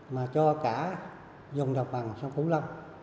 mà cho cả dùng đồng bằng sông củ lâm